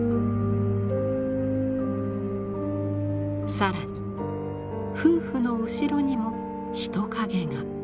更に夫婦の後ろにも人影が。